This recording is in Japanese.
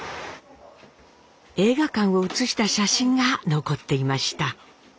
映画館を写した写真が残っていました。